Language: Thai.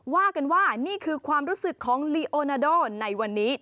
ว่ากันว่านี่คือความรู้สึกของลีโอนาโดในวันนี้